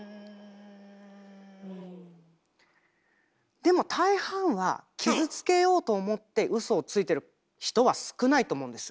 でも大半は傷つけようと思ってウソをついてる人は少ないと思うんですよ。